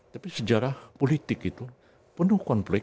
tapi sejarah politik itu penuh konflik